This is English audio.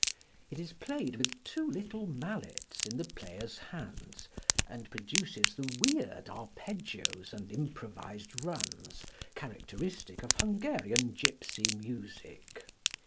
It is played with two little mallets in the player's hands, and produces the weird arpeggios and improvised runs characteristic of Hungarian gypsy music.